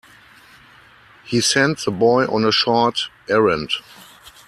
He sent the boy on a short errand.